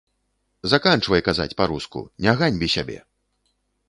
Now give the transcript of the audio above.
Заканчвай казаць па-руску, не ганьбі сябе!